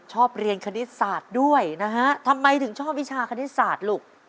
ชอบเรียนคณิตศาสตร์ด้วยนะฮะทำไมถึงชอบวิชาคณิตศาสตร์ลูก